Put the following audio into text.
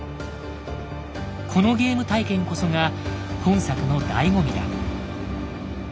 このゲーム体験こそが本作のだいご味だ。